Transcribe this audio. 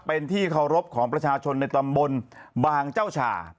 เป็นที่เคารพของประชาชนในตำบลบางเจ้าฉ่า